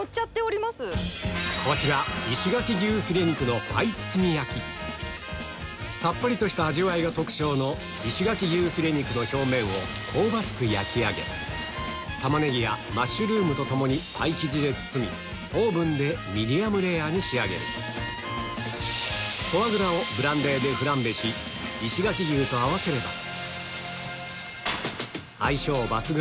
こちらさっぱりとした味わいが特徴の石垣牛フィレ肉の表面を香ばしく焼き上げタマネギやマッシュルームと共にパイ生地で包みオーブンでミディアムレアに仕上げるフォアグラをブランデーでフランベし石垣牛と合わせれば相性抜群！